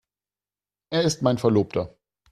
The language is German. Er ist mein Verlobter.